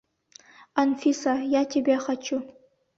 — Анфиса, я тебя хочу!